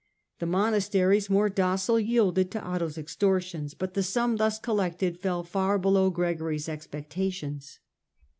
The monasteries, more docile, yielded to Otho's extortions, but the sum thus collected fell far below Gregory's expectations.